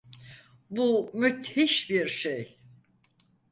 Bu müthiş bir şey.